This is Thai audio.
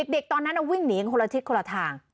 เด็กตอนนั้นวิ่งหนีกันคนละทิศคนละทาง